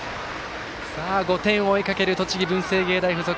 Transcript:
５点を追いかける栃木、文星芸大付属。